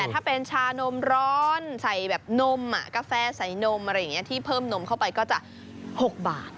แต่ถ้าเป็นชานมร้อนใส่แบบนมกาแฟใส่นมอะไรอย่างนี้ที่เพิ่มนมเข้าไปก็จะ๖บาท